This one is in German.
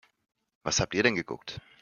Was habt ihr denn geguckt?